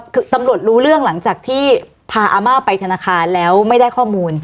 คือตำรวจรู้เรื่องหลังจากที่พาอาม่าไปธนาคารแล้วไม่ได้ข้อมูล